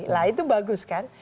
nah itu bagus kan